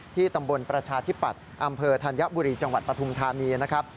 ตำบลประชาธิปัตย์อำเภอธัญบุรีจังหวัดปฐุมธานีนะครับ